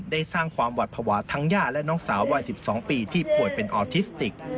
สร้างความหวัดภาวะทั้งย่าและน้องสาววัย๑๒ปีที่ป่วยเป็นออทิสติก